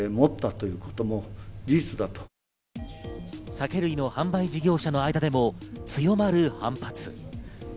酒類の販売事業者の間でも強まる反発。